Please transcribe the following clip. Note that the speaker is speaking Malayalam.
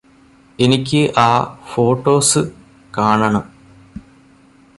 എനിക്ക് ആ ഫോട്ടോസ് കാണണം